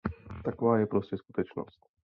Taková je prostě skutečnost.